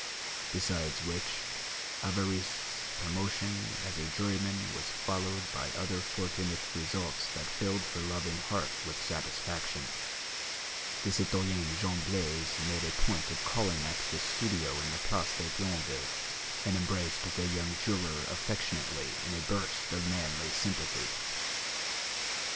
Besides which, Évariste's promotion as a juryman was followed by other fortunate results that filled her loving heart with satisfaction; the citoyen Jean Blaise made a point of calling at the studio in the Place de Thionville and embraced the young juror affectionately in a burst of manly sympathy.